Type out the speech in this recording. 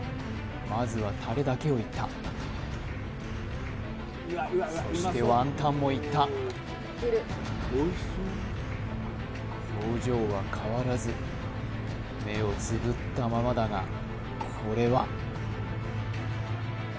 まずはタレだけをいったそしてワンタンもいった表情は変わらず目をつぶったままだがこれは？